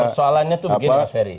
persoalannya tuh begini pak ferry